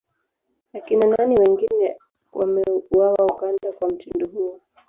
Akina nani wengine wameuawa Uganda kwa mtindo huo